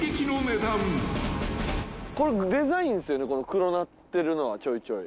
黒なってるのはちょいちょい。